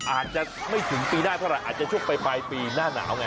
อาจจะไม่ถึงปีหน้าเท่าไหร่อาจจะช่วงปลายปีหน้าหนาวไง